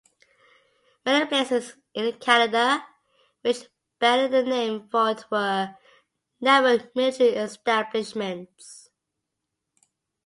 Many places in Canada which bear the name "Fort" were never military establishments.